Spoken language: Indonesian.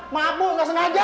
mabu gak sengaja